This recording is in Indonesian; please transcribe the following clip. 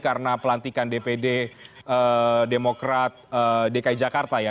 karena pelantikan dpd demokrat dki jakarta ya